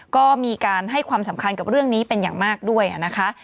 ก็มีการให้ความสำคัญกับเรื่องนี้เป็นอย่างมากด้วยนะคะ